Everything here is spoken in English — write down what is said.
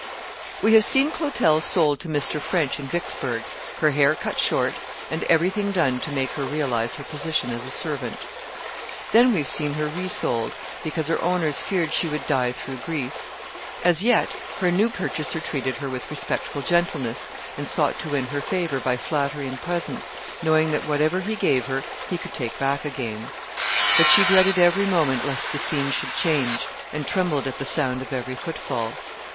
We have seen Clotel sold to Mr. French in Vicksburgh, her hair cut short, and everything done to make her realise her position as a servant. Then we have seen her re sold, because her owners feared she would die through grief. As yet her new purchaser treated her with respectful gentleness, and sought to win her favour by flattery and presents, knowing that whatever he gave her he could take back again. But she dreaded every moment lest the scene should change, and trembled at the sound of every footfall.